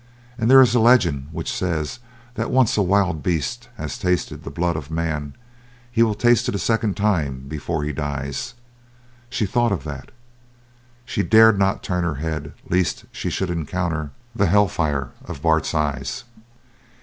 And there is a legend which says that once a wild beast has tasted the blood of man he will taste it a second time before he dies. She thought of that she dared not turn her head lest she should encounter the hellfire of Bart's eyes.